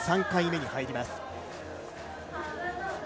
３回目に入ります。